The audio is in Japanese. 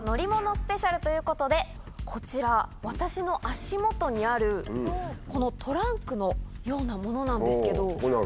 スペシャルということでこちら私の足元にあるこのトランクのようなものなんですけど。